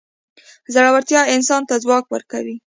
زړورتیا انسان ته ځواک ورکوي.